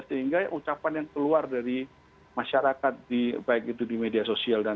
sehingga ucapan yang keluar dari masyarakat baik itu di media sosial dan